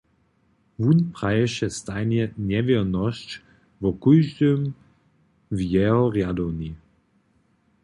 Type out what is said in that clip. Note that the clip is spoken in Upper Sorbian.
Wón praješe stajnje njewěrnosće wo kóždym w jeho rjadowni.